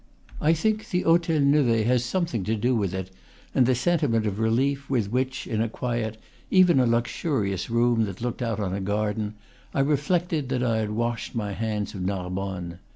I think the Hotel Nevet had something to do with it, and the sentiment of relief with which, in a quiet, even a luxurious, room that looked out on a garden, I reflected that I had washed my hands of Narbonne.